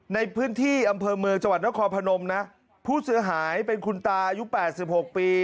ในพื้นที่อำเภอเมืองจังหวัดนครพนมนะผู้เสียหายเป็นคุณตาอายุ๘๖ปี